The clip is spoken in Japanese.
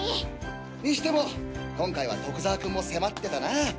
にしても今回は徳沢君も迫ってたなぁ。